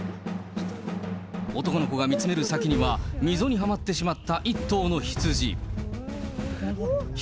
男の子が見つめる先には、溝にはまってしまった一頭の羊。